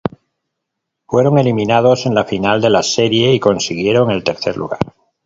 Fueron eliminados en la final de la serie y consiguieron el tercer lugar.